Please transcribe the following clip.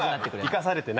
生かされてない。